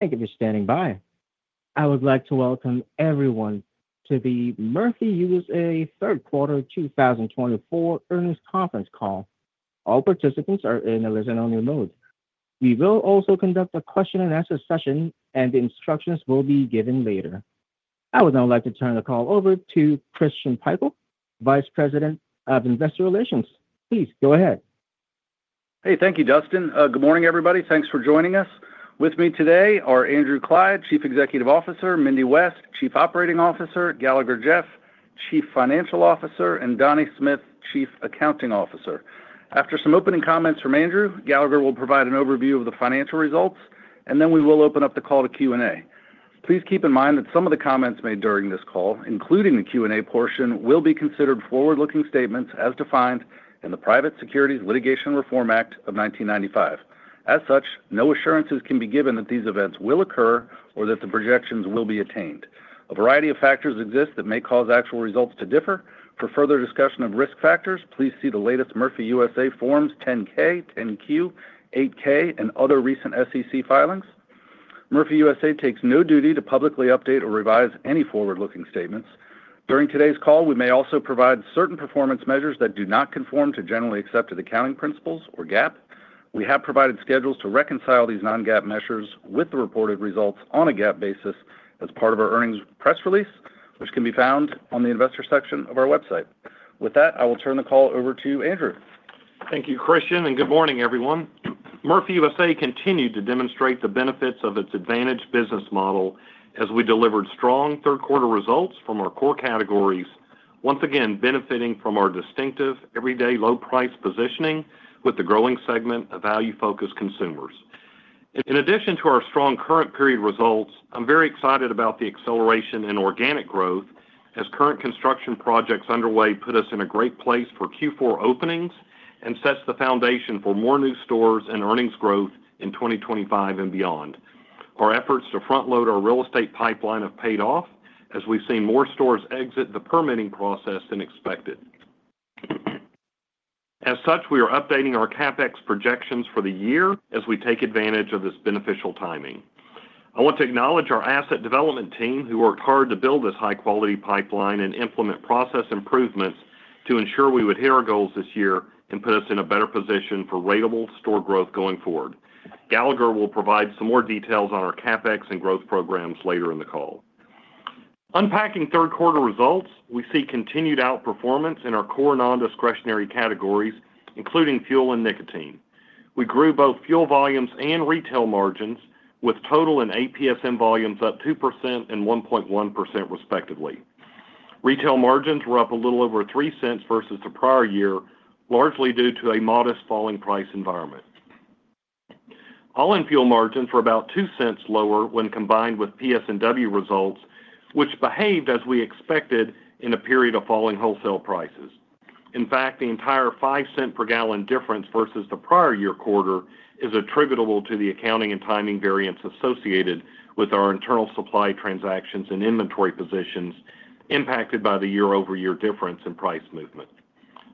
Thank you for standing by. I would like to welcome everyone to the Murphy USA Third Quarter 2024 Earnings Conference Call. All participants are in a listen-only mode. We will also conduct a question-and-answer session, and the instructions will be given later. I would now like to turn the call over to Christian Pikul, Vice President of Investor Relations. Please go ahead. Hey, thank you, Dustin. Good morning, everybody. Thanks for joining us. With me today are Andrew Clyde, Chief Executive Officer, Mindy West, Chief Operating Officer, Galagher Jeff, Chief Financial Officer, and Donnie Smith, Chief Accounting Officer. After some opening comments from Andrew, Galagher will provide an overview of the financial results, and then we will open up the call to Q&A. Please keep in mind that some of the comments made during this call, including the Q&A portion, will be considered forward-looking statements as defined in the Private Securities Litigation Reform Act of 1995. As such, no assurances can be given that these events will occur or that the projections will be attained. A variety of factors exist that may cause actual results to differ. For further discussion of risk factors, please see the latest Murphy USA Forms 10-K, 10-Q, 8-K, and other recent SEC filings. Murphy USA takes no duty to publicly update or revise any forward-looking statements. During today's call, we may also provide certain performance measures that do not conform to generally accepted accounting principles or GAAP. We have provided schedules to reconcile these non-GAAP measures with the reported results on a GAAP basis as part of our earnings press release, which can be found on the investor section of our website. With that, I will turn the call over to Andrew. Thank you, Christian, and good morning, everyone. Murphy USA continued to demonstrate the benefits of its advantaged business model as we delivered strong third-quarter results from our core categories, once again benefiting from our distinctive everyday low-price positioning with the growing segment of value-focused consumers. In addition to our strong current-period results, I'm very excited about the acceleration in organic growth as current construction projects underway put us in a great place for Q4 openings and sets the foundation for more new stores and earnings growth in 2025 and beyond. Our efforts to front-load our real estate pipeline have paid off as we've seen more stores exit the permitting process than expected. As such, we are updating our CapEx projections for the year as we take advantage of this beneficial timing. I want to acknowledge our asset development team, who worked hard to build this high-quality pipeline and implement process improvements to ensure we would hit our goals this year and put us in a better position for ratable store growth going forward. Galagher will provide some more details on our CapEx and growth programs later in the call. Unpacking third quarter results, we see continued outperformance in our core non-discretionary categories, including fuel and nicotine. We grew both fuel volumes and retail margins, with total and APSM volumes up 2% and 1.1%, respectively. Retail margins were up a little over $0.03 versus the prior year, largely due to a modest falling price environment. All-in fuel margins were about $0.02 lower when combined with PS&W results, which behaved as we expected in a period of falling wholesale prices. In fact, the entire $0.05 per gallon difference versus the prior year quarter is attributable to the accounting and timing variance associated with our internal supply transactions and inventory positions impacted by the year-over-year difference in price movement.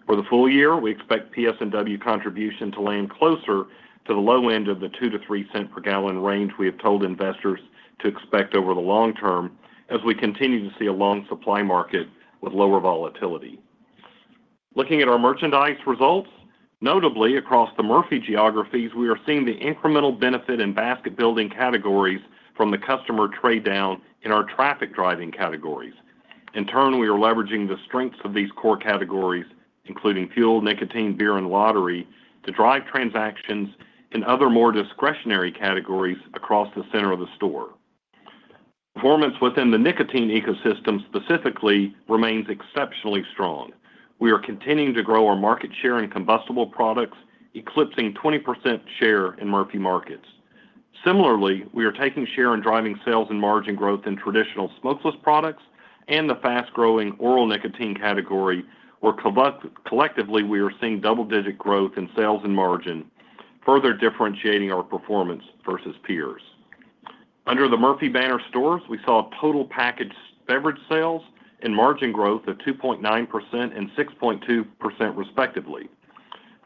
For the full year, we expect PS&W contribution to land closer to the low end of the $0.02-$0.03 per gallon range we have told investors to expect over the long term as we continue to see a long supply market with lower volatility. Looking at our merchandise results, notably across the Murphy geographies, we are seeing the incremental benefit in basket-building categories from the customer trade-down in our traffic-driving categories. In turn, we are leveraging the strengths of these core categories, including fuel, nicotine, beer, and lottery, to drive transactions in other more discretionary categories across the center of the store. Performance within the nicotine ecosystem specifically remains exceptionally strong. We are continuing to grow our market share in combustible products, eclipsing 20% share in Murphy markets. Similarly, we are taking share in driving sales and margin growth in traditional smokeless products and the fast-growing oral nicotine category, where collectively we are seeing double-digit growth in sales and margin, further differentiating our performance versus peers. Under the Murphy banner stores, we saw total packaged beverage sales and margin growth of 2.9% and 6.2%, respectively.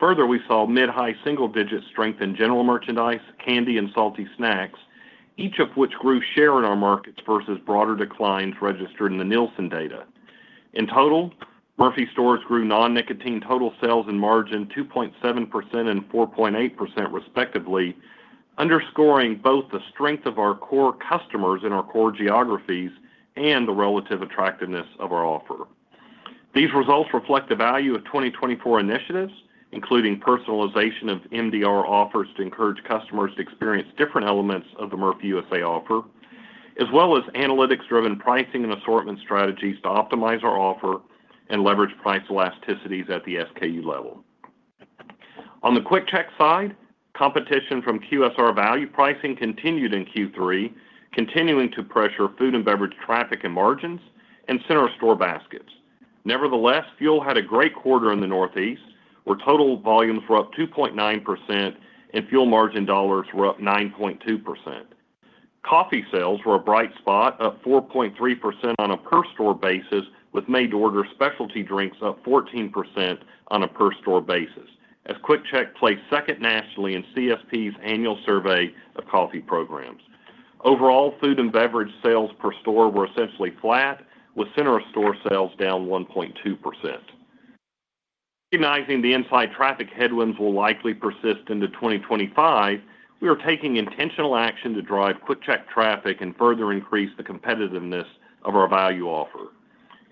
Further, we saw mid-high single-digit strength in general merchandise, candy, and salty snacks, each of which grew share in our markets versus broader declines registered in the Nielsen data. In total, Murphy stores grew non-nicotine total sales and margin 2.7% and 4.8%, respectively, underscoring both the strength of our core customers in our core geographies and the relative attractiveness of our offer. These results reflect the value of 2024 initiatives, including personalization of MDR offers to encourage customers to experience different elements of the Murphy USA offer, as well as analytics-driven pricing and assortment strategies to optimize our offer and leverage price elasticities at the SKU level. On the QuickChek side, competition from QSR value pricing continued in Q3, continuing to pressure food and beverage traffic and margins and center store baskets. Nevertheless, fuel had a great quarter in the Northeast, where total volumes were up 2.9% and fuel margin dollars were up 9.2%. Coffee sales were a bright spot, up 4.3% on a per-store basis, with made-to-order specialty drinks up 14% on a per-store basis, as QuickChek placed second nationally in CSP's annual survey of coffee programs. Overall, food and beverage sales per store were essentially flat, with center store sales down 1.2%. Recognizing the inside traffic headwinds will likely persist into 2025, we are taking intentional action to drive QuickChek traffic and further increase the competitiveness of our value offer.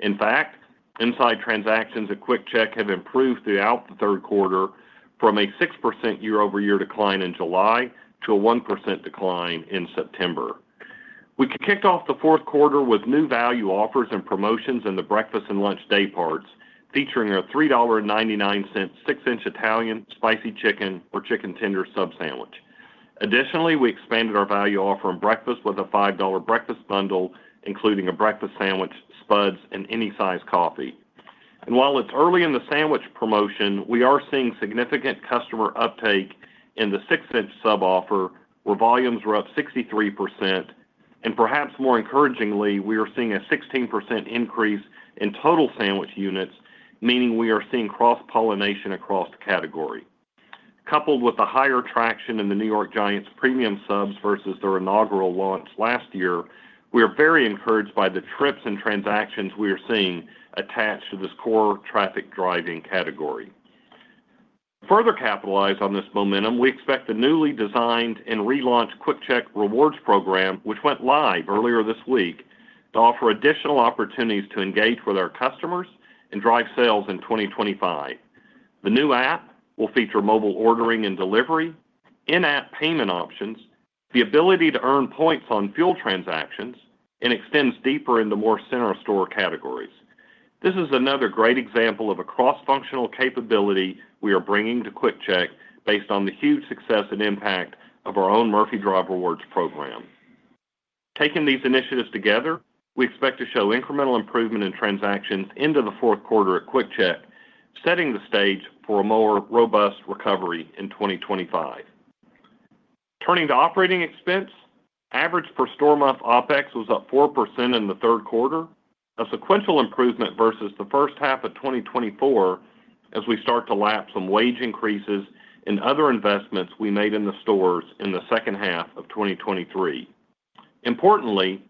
In fact, inside transactions at QuickChek have improved throughout the third quarter from a 6% year-over-year decline in July to a 1% decline in September. We kicked off the fourth quarter with new value offers and promotions in the breakfast and lunch day parts, featuring our $3.99 six-inch Italian spicy chicken or chicken tender sub sandwich. Additionally, we expanded our value offer in breakfast with a $5 breakfast bundle, including a breakfast sandwich, spuds, and any size coffee, and while it's early in the sandwich promotion, we are seeing significant customer uptake in the six-inch sub offer, where volumes were up 63%. Perhaps more encouragingly, we are seeing a 16% increase in total sandwich units, meaning we are seeing cross-pollination across the category. Coupled with the higher traction in the New York Giants premium subs versus their inaugural launch last year, we are very encouraged by the trips and transactions we are seeing attached to this core traffic-driving category. To further capitalize on this momentum, we expect the newly designed and relaunched QuickChek Rewards program, which went live earlier this week, to offer additional opportunities to engage with our customers and drive sales in 2025. The new app will feature mobile ordering and delivery, in-app payment options, the ability to earn points on fuel transactions, and extends deeper into more center store categories. This is another great example of a cross-functional capability we are bringing to QuickChek based on the huge success and impact of our own Murphy Drive Rewards program. Taking these initiatives together, we expect to show incremental improvement in transactions into the fourth quarter at QuickChek, setting the stage for a more robust recovery in 2025. Turning to operating expense, average per-store month OPEX was up 4% in the third quarter, a sequential improvement versus the first half of 2024 as we start to lapse some wage increases and other investments we made in the stores in the second half of 2023. Importantly,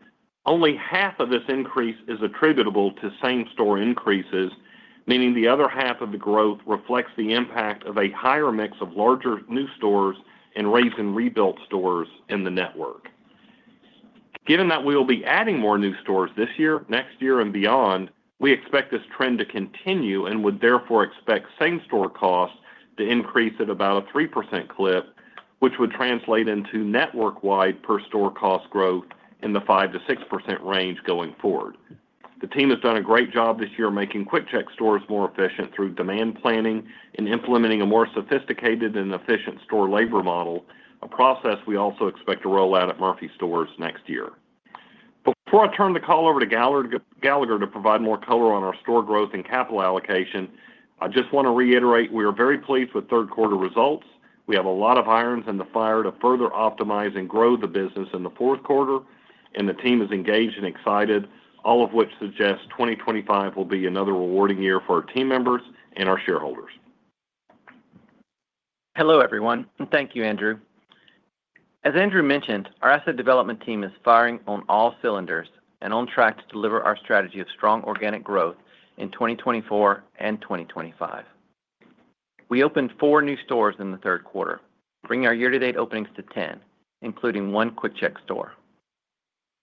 only half of this increase is attributable to same-store increases, meaning the other half of the growth reflects the impact of a higher mix of larger new stores and Raze and Rebuild stores in the network. Given that we will be adding more new stores this year, next year, and beyond, we expect this trend to continue and would therefore expect same-store costs to increase at about a 3% clip, which would translate into network-wide per-store cost growth in the 5%-6% range going forward. The team has done a great job this year making QuickChek stores more efficient through demand planning and implementing a more sophisticated and efficient store labor model, a process we also expect to roll out at Murphy stores next year. Before I turn the call over to Galagher to provide more color on our store growth and capital allocation, I just want to reiterate we are very pleased with third-quarter results. We have a lot of irons in the fire to further optimize and grow the business in the fourth quarter, and the team is engaged and excited, all of which suggests 2025 will be another rewarding year for our team members and our shareholders. Hello, everyone, and thank you, Andrew. As Andrew mentioned, our asset development team is firing on all cylinders and on track to deliver our strategy of strong organic growth in 2024 and 2025. We opened four new stores in the third quarter, bringing our year-to-date openings to 10, including one QuickChek store.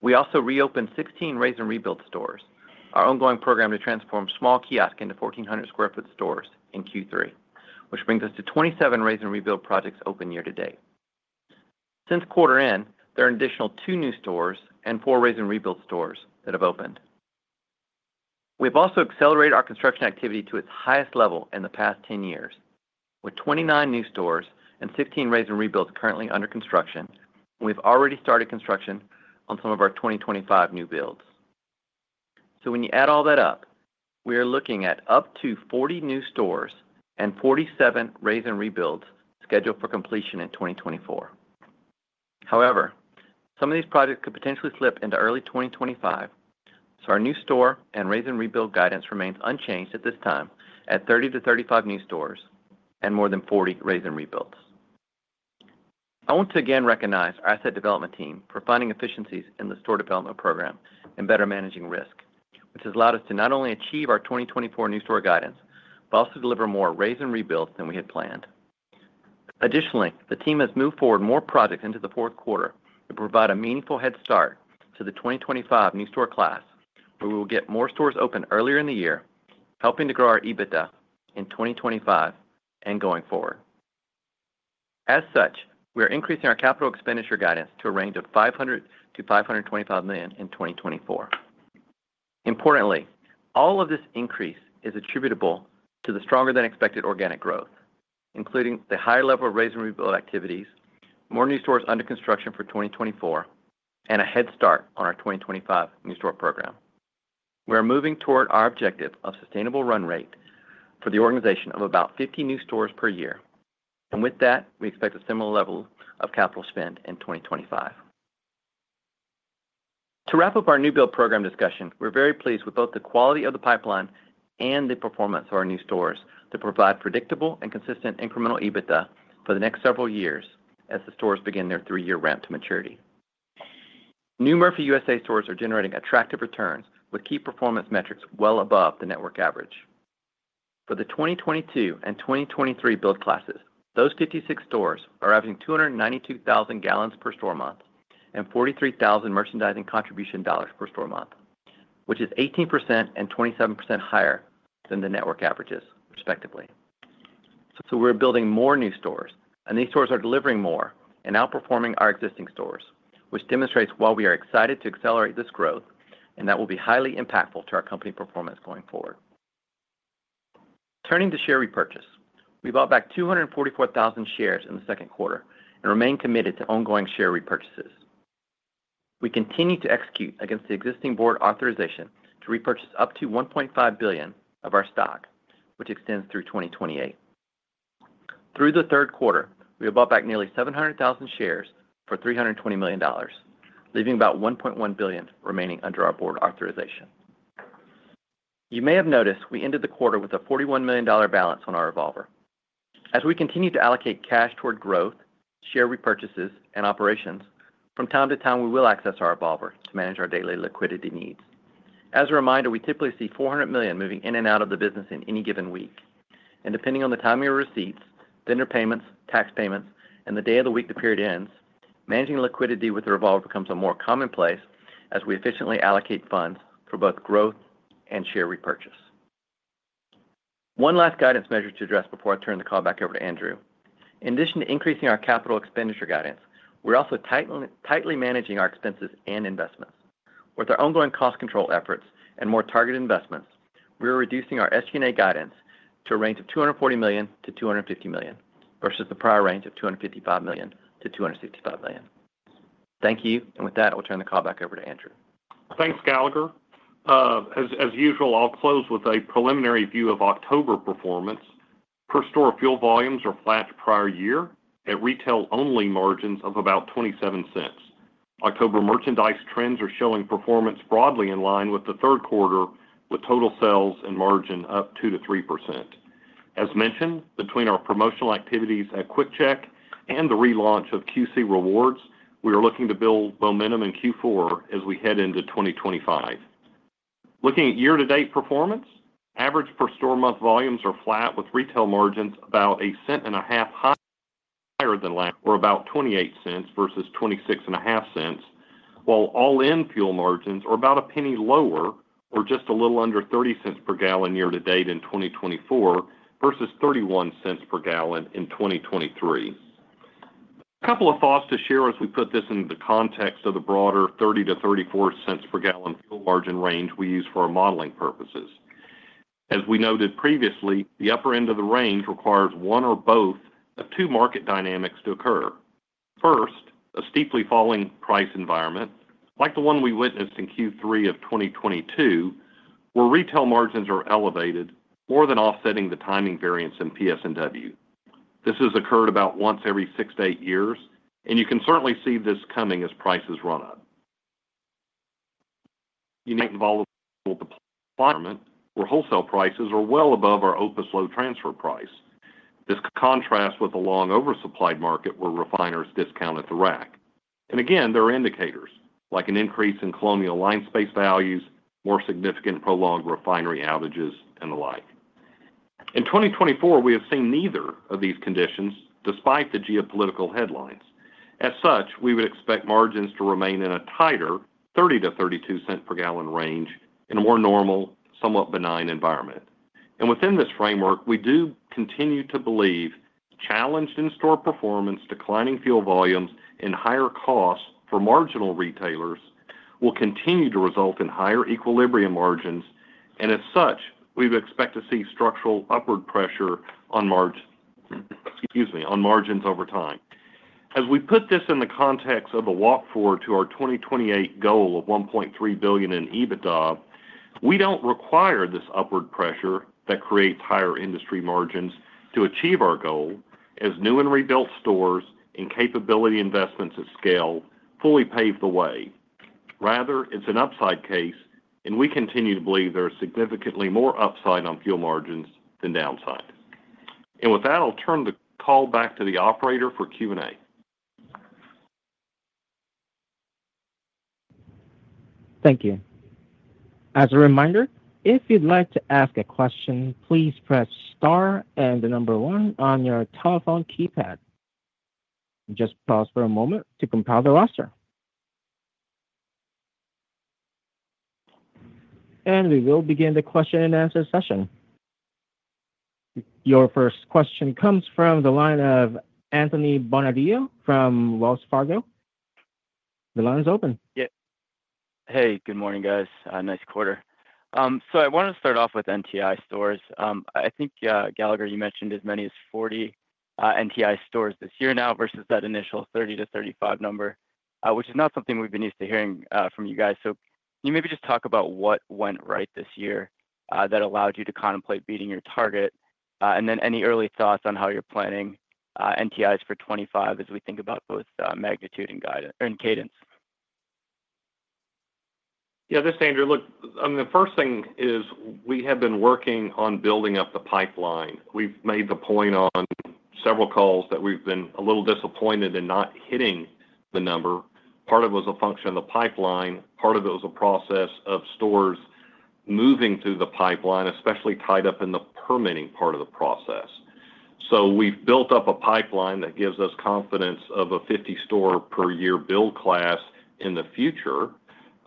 We also reopened 16 Raze and Rebuild stores, our ongoing program to transform small kiosks into 1,400 sq ft stores in Q3, which brings us to 27 Raze and Rebuild projects open year-to-date. Since quarter end, there are an additional two new stores and four Raze and Rebuild stores that have opened. We have also accelerated our construction activity to its highest level in the past 10 years, with 29 new stores and 16 Raze and Rebuilds currently under construction, and we've already started construction on some of our 2025 new builds. So when you add all that up, we are looking at up to 40 new stores and 47 Raze and Rebuilds scheduled for completion in 2024. However, some of these projects could potentially slip into early 2025, so our new store and Raze and Rebuild guidance remains unchanged at this time at 30 to 35 new stores and more than 40 Raze and Rebuilds. I want to again recognize our asset development team for finding efficiencies in the store development program and better managing risk, which has allowed us to not only achieve our 2024 new store guidance but also deliver more Raze and Rebuilds than we had planned. Additionally, the team has moved forward more projects into the fourth quarter to provide a meaningful head start to the 2025 new store class, where we will get more stores open earlier in the year, helping to grow our EBITDA in 2025 and going forward. As such, we are increasing our capital expenditure guidance to a range of $500 million-$525 million in 2024. Importantly, all of this increase is attributable to the stronger-than-expected organic growth, including the higher level of Raze and Rebuild activities, more new stores under construction for 2024, and a head start on our 2025 new store program. We are moving toward our objective of sustainable run rate for the organization of about 50 new stores per year, and with that, we expect a similar level of capital spend in 2025. To wrap up our new build program discussion, we're very pleased with both the quality of the pipeline and the performance of our new stores to provide predictable and consistent incremental EBITDA for the next several years as the stores begin their three-year ramp to maturity. New Murphy USA stores are generating attractive returns with key performance metrics well above the network average. For the 2022 and 2023 build classes, those 56 stores are averaging 292,000 gallons per store month and $43,000 merchandising contribution per store month, which is 18% and 27% higher than the network averages, respectively. So we're building more new stores, and these stores are delivering more and outperforming our existing stores, which demonstrates why we are excited to accelerate this growth and that will be highly impactful to our company performance going forward. Turning to share repurchase, we bought back 244,000 shares in the second quarter and remain committed to ongoing share repurchases. We continue to execute against the existing board authorization to repurchase up to 1.5 billion of our stock, which extends through 2028. Through the third quarter, we bought back nearly 700,000 shares for $320 million, leaving about 1.1 billion remaining under our board authorization. You may have noticed we ended the quarter with a $41 million balance on our revolver. As we continue to allocate cash toward growth, share repurchases, and operations, from time to time, we will access our revolver to manage our daily liquidity needs. As a reminder, we typically see $400 million moving in and out of the business in any given week. And depending on the time of your receipts, vendor payments, tax payments, and the day of the week the period ends, managing liquidity with the revolver becomes a more commonplace as we efficiently allocate funds for both growth and share repurchase. One last guidance measure to address before I turn the call back over to Andrew. In addition to increasing our capital expenditure guidance, we're also tightly managing our expenses and investments. With our ongoing cost control efforts and more targeted investments, we are reducing our SG&A guidance to a range of $240 million-$250 million versus the prior range of $255 million-$265 million. Thank you. And with that, I'll turn the call back over to Andrew. Thanks, Galagher. As usual, I'll close with a preliminary view of October performance. Per-store fuel volumes are flat to prior year at retail-only margins of about $0.27. October merchandise trends are showing performance broadly in line with the third quarter, with total sales and margin up 2%-3%. As mentioned, between our promotional activities at QuickChek and the relaunch of QC Rewards, we are looking to build momentum in Q4 as we head into 2025. Looking at year-to-date performance, average per-store month volumes are flat, with retail margins about a cent and a half higher than last year, or about $0.28 versus $0.265, while all-in fuel margins are about a penny lower, or just a little under $0.30 per gallon year-to-date in 2024 versus $0.31 per gallon in 2023. A couple of thoughts to share as we put this into the context of the broader $0.30-$0.34 per gallon fuel margin range we use for our modeling purposes. As we noted previously, the upper end of the range requires one or both of two market dynamics to occur. First, a steeply falling price environment, like the one we witnessed in Q3 of 2022, where retail margins are elevated more than offsetting the timing variance in PS&W. This has occurred about once every six to eight years, and you can certainly see this coming as prices run up. Unique volatile deployment, where wholesale prices are well above our OPIS Low transfer price. This contrasts with a long oversupplied market where refiners discount at the rack. And again, there are indicators like an increase in Colonial line space values, more significant prolonged refinery outages, and the like. In 2024, we have seen neither of these conditions despite the geopolitical headlines. As such, we would expect margins to remain in a tighter $0.30-$0.32 per gallon range in a more normal, somewhat benign environment. And within this framework, we do continue to believe challenged in-store performance, declining fuel volumes, and higher costs for marginal retailers will continue to result in higher equilibrium margins. And as such, we would expect to see structural upward pressure on margins over time. As we put this in the context of a walk forward to our 2028 goal of $1.3 billion in EBITDA, we don't require this upward pressure that creates higher industry margins to achieve our goal as new and rebuilt stores and capability investments at scale fully pave the way. Rather, it's an upside case, and we continue to believe there is significantly more upside on fuel margins than downside. And with that, I'll turn the call back to the operator for Q&A. Thank you. As a reminder, if you'd like to ask a question, please press star and the number one on your telephone keypad. Just pause for a moment to compile the roster, and we will begin the question and answer session. Your first question comes from the line of Anthony Bonadio from Wells Fargo. The line's open. Yep. Hey, good morning, guys. Nice quarter. So I wanted to start off with NTI stores. I think, Galagher, you mentioned as many as 40 NTI stores this year now versus that initial 30-35 number, which is not something we've been used to hearing from you guys. So can you maybe just talk about what went right this year that allowed you to contemplate beating your target? And then any early thoughts on how you're planning NTIs for 2025 as we think about both magnitude and cadence? Yeah, this is Andrew. Look, I mean, the first thing is we have been working on building up the pipeline. We've made the point on several calls that we've been a little disappointed in not hitting the number. Part of it was a function of the pipeline. Part of it was a process of stores moving through the pipeline, especially tied up in the permitting part of the process. So we've built up a pipeline that gives us confidence of a 50-store per year build class in the future.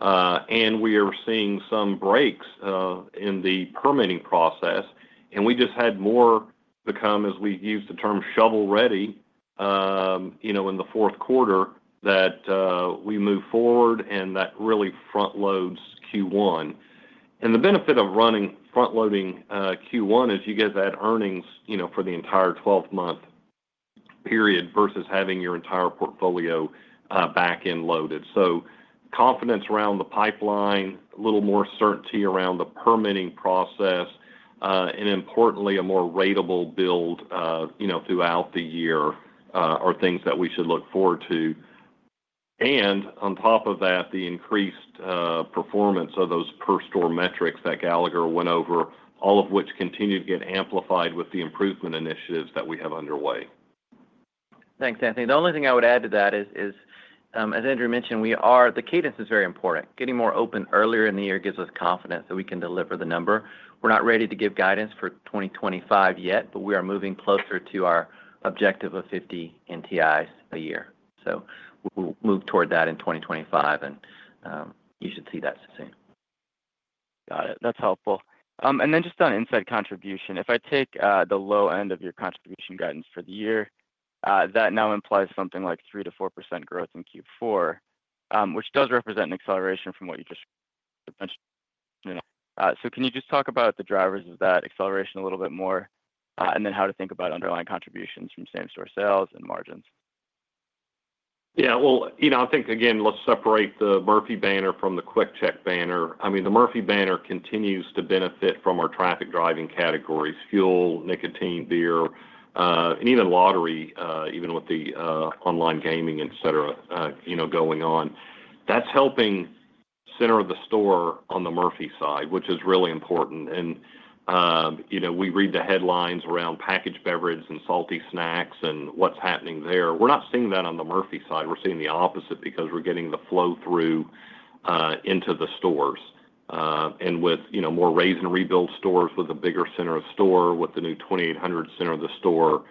And we are seeing some breaks in the permitting process. And we just had more become, as we use the term, shovel-ready in the fourth quarter, that we move forward and that really front-loads Q1. And the benefit of front-loading Q1 is you get that earnings for the entire 12-month period versus having your entire portfolio back and loaded. Confidence around the pipeline, a little more certainty around the permitting process, and importantly, a more ratable build throughout the year are things that we should look forward to. And on top of that, the increased performance of those per-store metrics that Gallagher went over, all of which continue to get amplified with the improvement initiatives that we have underway. Thanks, Anthony. The only thing I would add to that is, as Andrew mentioned, the cadence is very important. Getting more open earlier in the year gives us confidence that we can deliver the number. We're not ready to give guidance for 2025 yet, but we are moving closer to our objective of 50 NTIs a year. So we'll move toward that in 2025, and you should see that soon. Got it. That's helpful. And then just on inside contribution, if I take the low end of your contribution guidance for the year, that now implies something like 3%-4% growth in Q4, which does represent an acceleration from what you just mentioned. So can you just talk about the drivers of that acceleration a little bit more and then how to think about underlying contributions from same-store sales and margins? Yeah. Well, I think, again, let's separate the Murphy banner from the QuickChek banner. I mean, the Murphy banner continues to benefit from our traffic-driving categories: fuel, nicotine, beer, and even lottery, even with the online gaming, etc., going on. That's helping center of the store on the Murphy side, which is really important. We read the headlines around packaged beverages and salty snacks and what's happening there. We're not seeing that on the Murphy side. We're seeing the opposite because we're getting the flow through into the stores. With more Raze and Rebuild stores with a bigger center of store, with the new 2800 center of the store,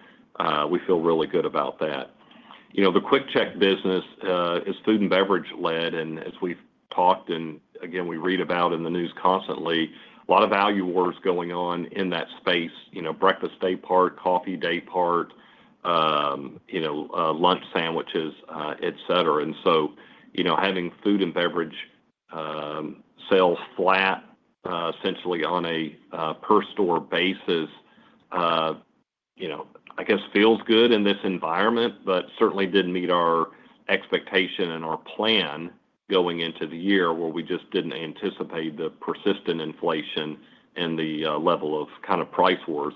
we feel really good about that. The QuickChek business is food and beverage-led. As we've talked and, again, we read about in the news constantly, a lot of value wars going on in that space: breakfast day part, coffee day part, lunch sandwiches, etc. So having food and beverage sales flat, essentially on a per-store basis, I guess, feels good in this environment, but certainly didn't meet our expectation and our plan going into the year where we just didn't anticipate the persistent inflation and the level of kind of price wars,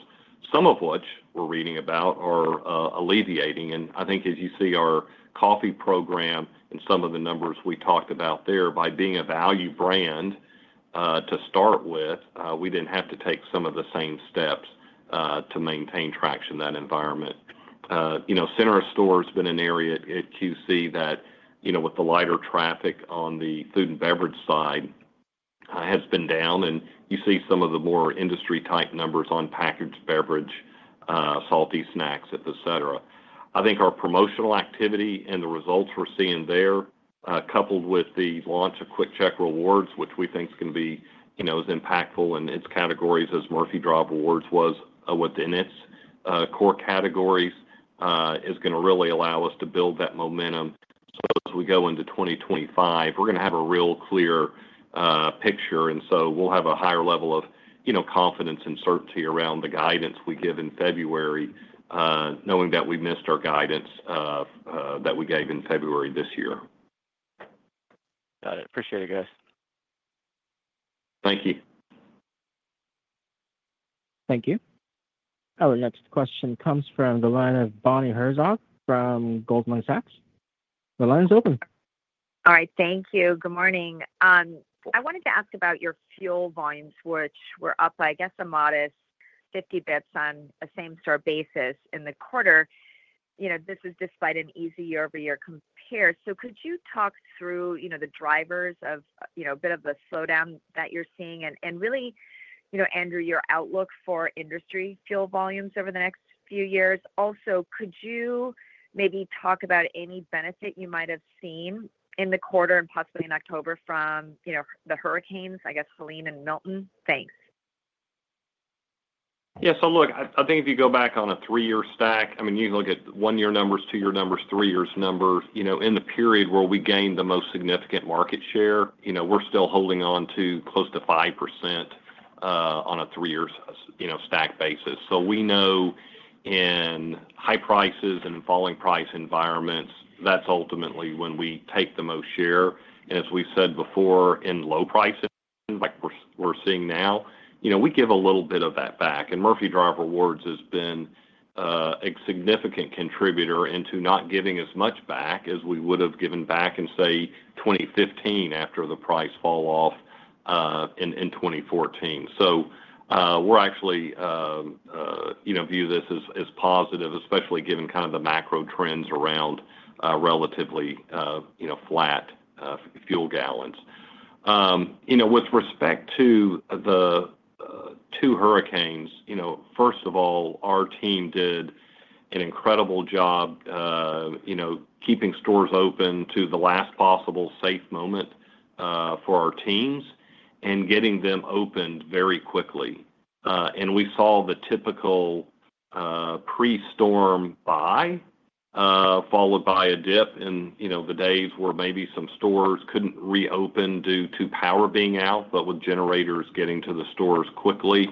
some of which we're reading about are alleviating. I think, as you see our coffee program and some of the numbers we talked about there, by being a value brand to start with, we didn't have to take some of the same steps to maintain traction in that environment. Center of store has been an area at QC that, with the lighter traffic on the food and beverage side, has been down. And you see some of the more industry-type numbers on packaged beverage, salty snacks, etc. I think our promotional activity and the results we're seeing there, coupled with the launch of QuickChek Rewards, which we think can be as impactful in its categories as Murphy Drive Rewards was within its core categories, is going to really allow us to build that momentum. So as we go into 2025, we're going to have a real clear picture. And so we'll have a higher level of confidence and certainty around the guidance we give in February, knowing that we missed our guidance that we gave in February this year. Got it. Appreciate it, guys. Thank you. Thank you. Our next question comes from the line of Bonnie Herzog from Goldman Sachs. The line is open. All right. Thank you. Good morning. I wanted to ask about your fuel volumes, which were up, I guess, a modest 50 basis points on a same-store basis in the quarter. This is despite an easy year-over-year compare. So could you talk through the drivers of a bit of the slowdown that you're seeing? And really, Andrew, your outlook for industry fuel volumes over the next few years. Also, could you maybe talk about any benefit you might have seen in the quarter and possibly in October from the hurricanes, I guess, Helene and Milton? Thanks. Yeah. So look, I think if you go back on a three-year stack, I mean, you can look at one-year numbers, two-year numbers, three-year numbers. In the period where we gained the most significant market share, we're still holding on to close to 5% on a three-year stack basis. So we know in high prices and in falling price environments, that's ultimately when we take the most share. And as we've said before, in low prices, like we're seeing now, we give a little bit of that back. And Murphy Drive Rewards has been a significant contributor into not giving as much back as we would have given back in, say, 2015 after the price fall-off in 2014. So we actually view this as positive, especially given kind of the macro trends around relatively flat fuel gallons. With respect to the two hurricanes, first of all, our team did an incredible job keeping stores open to the last possible safe moment for our teams and getting them opened very quickly, and we saw the typical pre-storm buy followed by a dip, and the days where maybe some stores couldn't reopen due to power being out, but with generators getting to the stores quickly,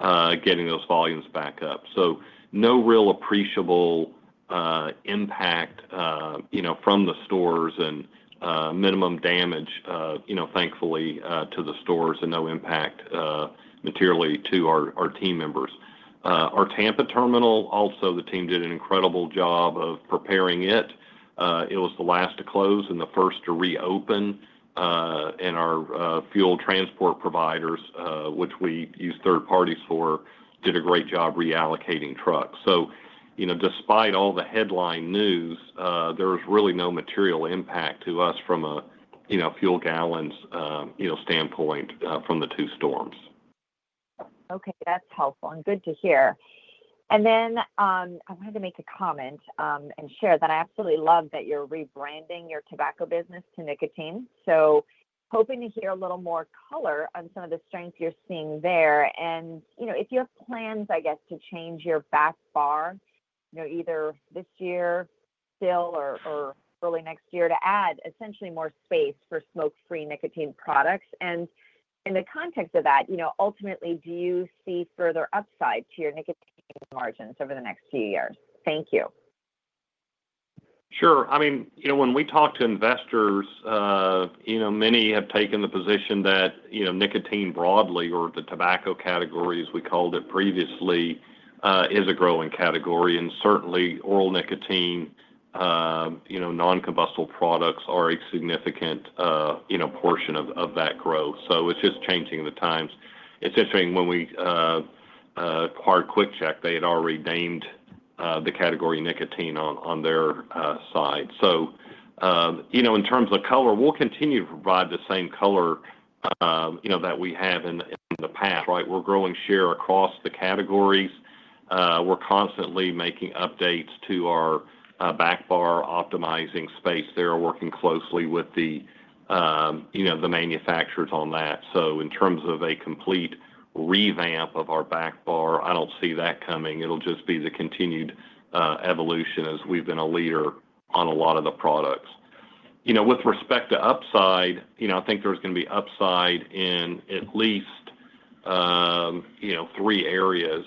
getting those volumes back up, so no real appreciable impact from the stores and minimum damage, thankfully, to the stores and no impact materially to our team members. Our Tampa terminal, also, the team did an incredible job of preparing it. It was the last to close and the first to reopen, and our fuel transport providers, which we use third parties for, did a great job reallocating trucks. So despite all the headline news, there was really no material impact to us from a fuel gallons standpoint from the two storms. Okay. That's helpful and good to hear. And then I wanted to make a comment and share that I absolutely love that you're rebranding your tobacco business to nicotine. So hoping to hear a little more color on some of the strengths you're seeing there. And if you have plans, I guess, to change your back bar either this year still or early next year to add essentially more space for smoke-free nicotine products. And in the context of that, ultimately, do you see further upside to your nicotine margins over the next few years? Thank you. Sure. I mean, when we talk to investors, many have taken the position that nicotine broadly, or the tobacco category, as we called it previously, is a growing category. And certainly, oral nicotine, non-combustible products are a significant portion of that growth. So it's just changing the times. It's interesting when we acquired QuickChek, they had already named the category nicotine on their side. So in terms of color, we'll continue to provide the same color that we have in the past. Right? We're growing share across the categories. We're constantly making updates to our back bar optimizing space there, working closely with the manufacturers on that. So in terms of a complete revamp of our back bar, I don't see that coming. It'll just be the continued evolution as we've been a leader on a lot of the products. With respect to upside, I think there's going to be upside in at least three areas.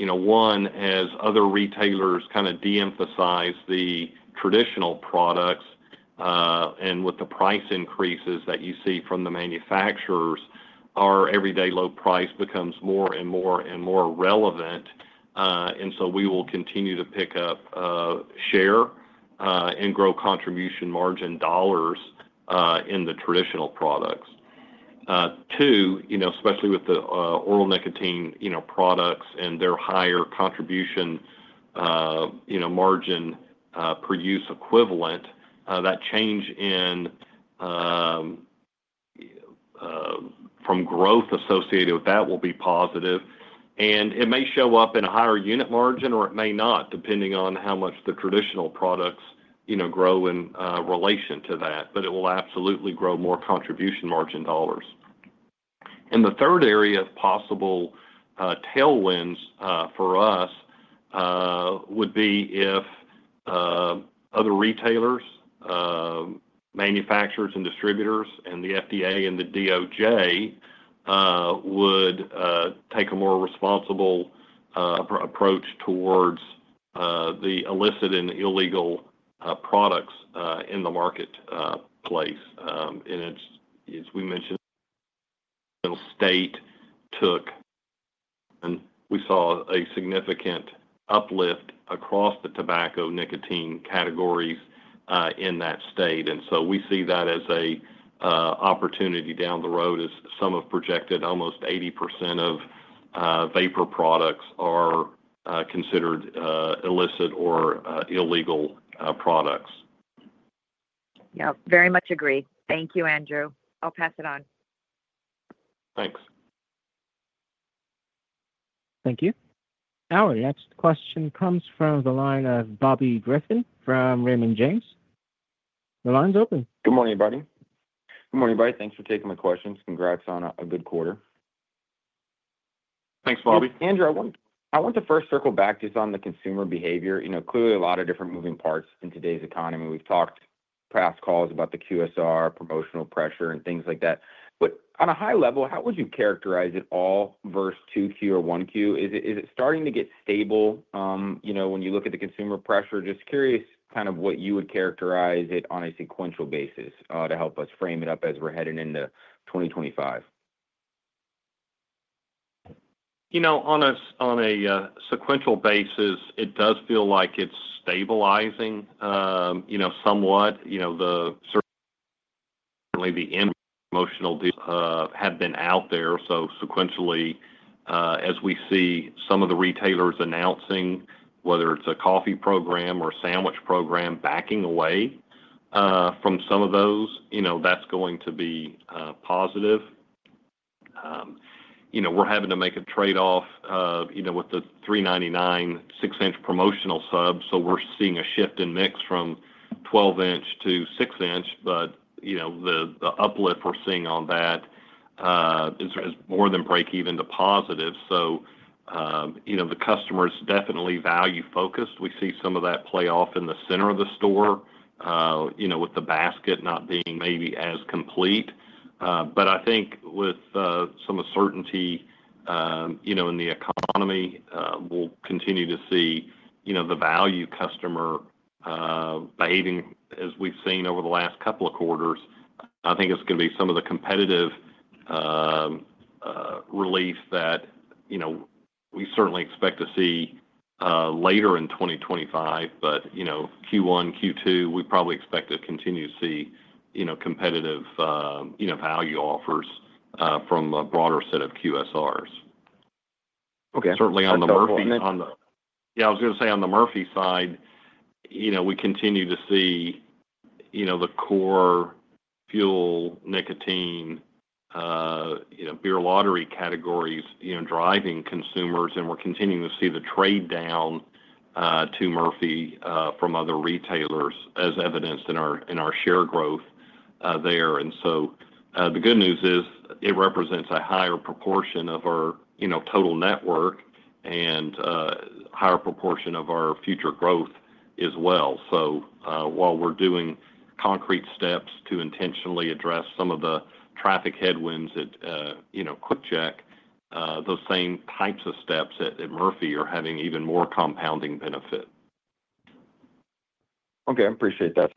One, as other retailers kind of de-emphasize the traditional products and with the price increases that you see from the manufacturers, our everyday low price becomes more and more and more relevant. And so we will continue to pick up share and grow contribution margin dollars in the traditional products. Two, especially with the oral nicotine products and their higher contribution margin per use equivalent, that change from growth associated with that will be positive. And it may show up in a higher unit margin, or it may not, depending on how much the traditional products grow in relation to that. But it will absolutely grow more contribution margin dollars. And the third area of possible tailwinds for us would be if other retailers, manufacturers, and distributors, and the FDA and the DOJ would take a more responsible approach towards the illicit and illegal products in the marketplace. And as we mentioned, the state took and we saw a significant uplift across the tobacco nicotine categories in that state. And so we see that as an opportunity down the road as some have projected almost 80% of vapor products are considered illicit or illegal products. Yep. Very much agree. Thank you, Andrew. I'll pass it on. Thanks. Thank you. Our next question comes from the line of Bobby Griffin from Raymond James. The line's open. Good morning, everybody. Good morning, everybody. Thanks for taking my questions. Congrats on a good quarter. Thanks, Bobby. Andrew, I want to first circle back just on the consumer behavior. Clearly, a lot of different moving parts in today's economy. We've talked past calls about the QSR, promotional pressure, and things like that. But on a high level, how would you characterize it all versus 2Q or 1Q? Is it starting to get stable when you look at the consumer pressure? Just curious kind of what you would characterize it on a sequential basis to help us frame it up as we're heading into 2025. On a sequential basis, it does feel like it's stabilizing somewhat. Certainly, the emotions have been out there. So sequentially, as we see some of the retailers announcing, whether it's a coffee program or a sandwich program, backing away from some of those, that's going to be positive. We're having to make a trade-off with the $3.99 six-inch promotional subs. So we're seeing a shift in mix from 12-inch to six-inch. But the uplift we're seeing on that is more than break-even to positive. So the customer is definitely value-focused. We see some of that play out in the center of the store with the basket not being maybe as complete. But I think with some uncertainty in the economy, we'll continue to see the value customer behaving as we've seen over the last couple of quarters. I think it's going to be some of the competitive relief that we certainly expect to see later in 2025. But Q1, Q2, we probably expect to continue to see competitive value offers from a broader set of QSRs. Certainly, on the Murphy side. Okay. Yeah. I was going to say on the Murphy side, we continue to see the core fuel nicotine beer lottery categories driving consumers. And we're continuing to see the trade down to Murphy from other retailers, as evidenced in our share growth there. And so the good news is it represents a higher proportion of our total network and a higher proportion of our future growth as well. So while we're doing concrete steps to intentionally address some of the traffic headwinds at QuickChek, those same types of steps at Murphy are having even more compounding benefit. Okay. I appreciate that.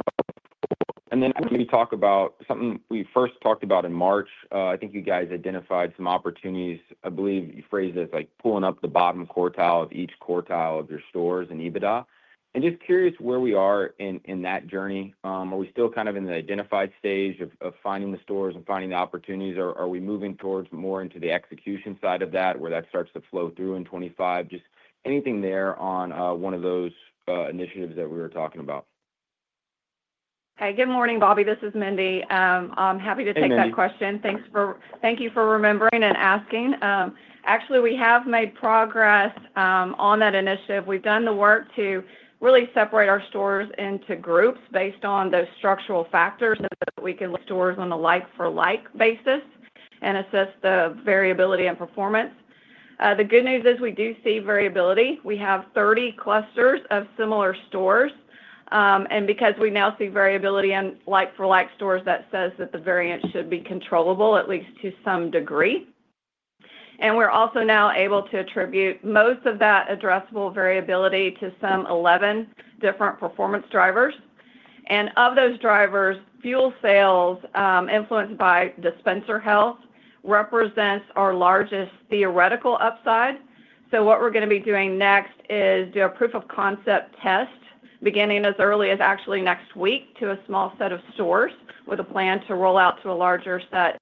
And then let me talk about something we first talked about in March. I think you guys identified some opportunities. I believe you phrased it as pulling up the bottom quartile of each quartile of your stores in EBITDA. And just curious where we are in that journey. Are we still kind of in the identified stage of finding the stores and finding the opportunities? Are we moving towards more into the execution side of that where that starts to flow through in 2025? Just anything there on one of those initiatives that we were talking about. Hi. Good morning, Bobby. This is Mindy. I'm happy to take that question. Thank you for remembering and asking. Actually, we have made progress on that initiative. We've done the work to really separate our stores into groups based on those structural factors so that we can look at stores on a like-for-like basis and assess the variability and performance. The good news is we do see variability. We have 30 clusters of similar stores. And because we now see variability in like-for-like stores, that says that the variance should be controllable at least to some degree. And we're also now able to attribute most of that addressable variability to some 11 different performance drivers. And of those drivers, fuel sales influenced by dispenser health represents our largest theoretical upside. So what we're going to be doing next is do a proof of concept test beginning as early as actually next week to a small set of stores with a plan to roll out to a larger set.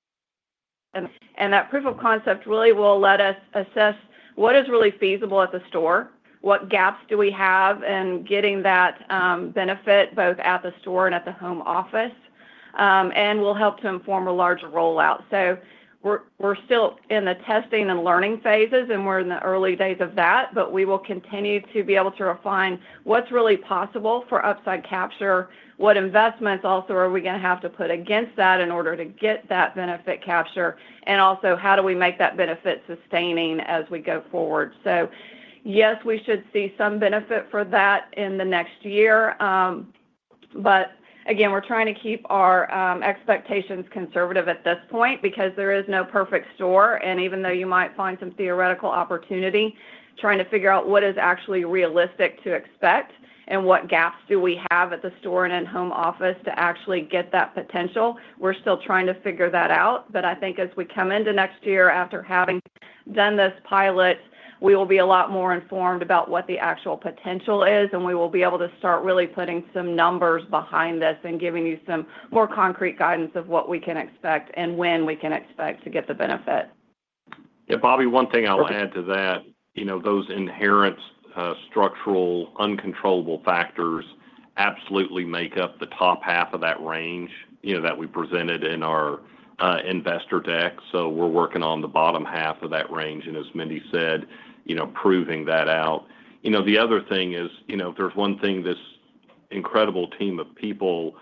And that proof of concept really will let us assess what is really feasible at the store, what gaps do we have in getting that benefit both at the store and at the home office, and will help to inform a larger rollout. So we're still in the testing and learning phases, and we're in the early days of that, but we will continue to be able to refine what's really possible for upside capture, what investments also are we going to have to put against that in order to get that benefit capture, and also how do we make that benefit sustaining as we go forward. So yes, we should see some benefit for that in the next year. But again, we're trying to keep our expectations conservative at this point because there is no perfect store. And even though you might find some theoretical opportunity trying to figure out what is actually realistic to expect and what gaps do we have at the store and in home office to actually get that potential, we're still trying to figure that out. But I think as we come into next year, after having done this pilot, we will be a lot more informed about what the actual potential is, and we will be able to start really putting some numbers behind this and giving you some more concrete guidance of what we can expect and when we can expect to get the benefit. Yeah. Bobby, one thing I'll add to that, those inherent structural uncontrollable factors absolutely make up the top half of that range that we presented in our investor deck. So we're working on the bottom half of that range. And as Mindy said, proving that out. The other thing is there's one thing this incredible team of people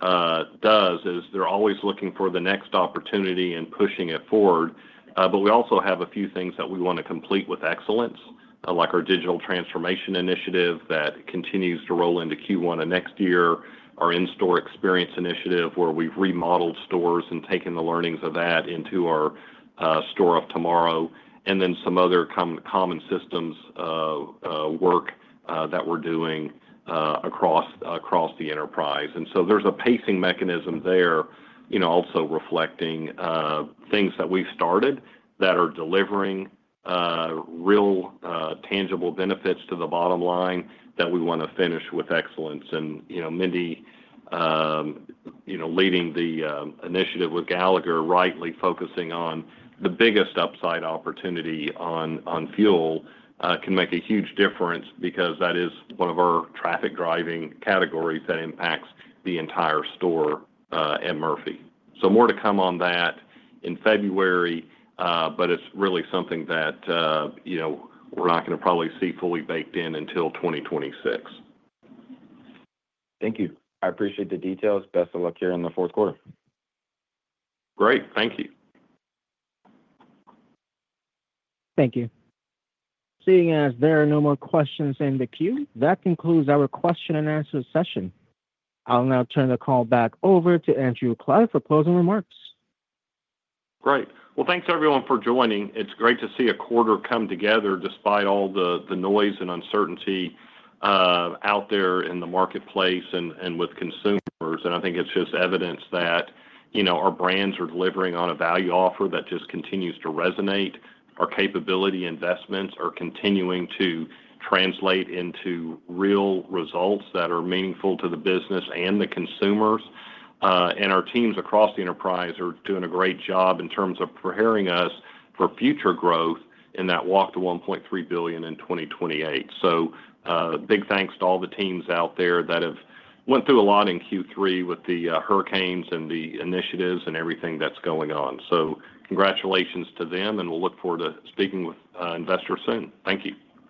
does is they're always looking for the next opportunity and pushing it forward. But we also have a few things that we want to complete with excellence, like our digital transformation initiative that continues to roll into Q1 and next year, our in-store experience initiative where we've remodeled stores and taken the learnings of that into our Store of Tomorrow, and then some other common systems work that we're doing across the enterprise. There's a pacing mechanism there also reflecting things that we've started that are delivering real tangible benefits to the bottom line that we want to finish with excellence. Mindy, leading the initiative with Galagher, rightly focusing on the biggest upside opportunity on fuel can make a huge difference because that is one of our traffic driving categories that impacts the entire store at Murphy. More to come on that in February, but it's really something that we're not going to probably see fully baked in until 2026. Thank you. I appreciate the details. Best of luck here in the fourth quarter. Great. Thank you. Thank you. Seeing as there are no more questions in the queue, that concludes our question and answer session. I'll now turn the call back over to Andrew Clyde for closing remarks. Great. Well, thanks everyone for joining. It's great to see a quarter come together despite all the noise and uncertainty out there in the marketplace and with consumers. And I think it's just evidence that our brands are delivering on a value offer that just continues to resonate. Our capability investments are continuing to translate into real results that are meaningful to the business and the consumers. And our teams across the enterprise are doing a great job in terms of preparing us for future growth in that walk to $1.3 billion in 2028. So big thanks to all the teams out there that have went through a lot in Q3 with the hurricanes and the initiatives and everything that's going on. So congratulations to them, and we'll look forward to speaking with investors soon. Thank you.